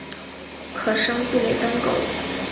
可升级成奔狗。